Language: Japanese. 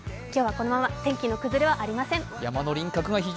今日はこのまま天気の崩れはありません。